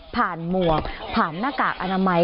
หมวกผ่านหน้ากากอนามัย